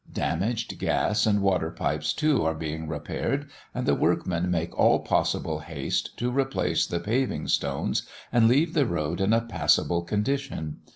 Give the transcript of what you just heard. Damaged gas and water pipes, too, are being repaired, and the workmen make all possible haste to replace the paving stones and leave the road in a passable condition.